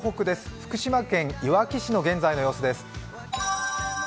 福島県いわき市の現在の様子です。